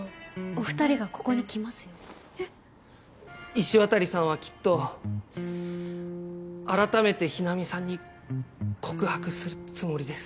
石渡さんはきっと改めて日菜美さんに告白するつもりです。